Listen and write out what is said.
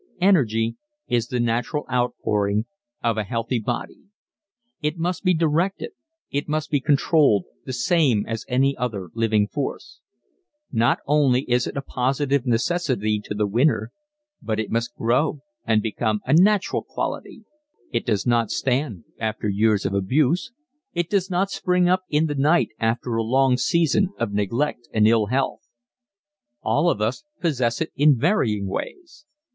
Energy is the natural outpouring of a healthy body. It must be directed, it must be controlled, the same as any other living force. Not only is it a positive necessity to the winner, but it must grow and become a natural quality. It does not stand after years of abuse. It does not spring up in the night after a long season of neglect and ill health. All of us possess it in varying ways.